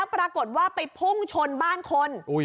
ปรากฏว่าไปพุ่งชนบ้านคน